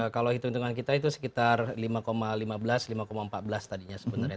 kalau hitung hitungan kita itu sekitar lima lima belas lima empat belas tadinya sebenarnya